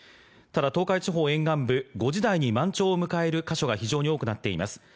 ただ東海地方沿岸部、５時台に満潮を迎える箇所が非常に多くなっています。